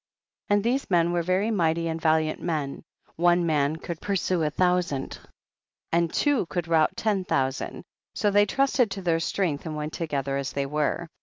5. And these men were very mighty and valiant men, one man could pursue a thousand and two could rout ten thousand, so they trusted to their strength and went to gether as they were.